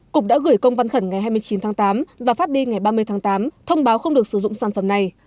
cục đã gửi công văn khẩn ngày hai mươi chín tháng tám và phát đi ngày ba mươi tháng tám thông báo không được sử dụng sản phẩm này